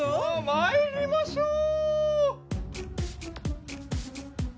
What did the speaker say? まいりましょう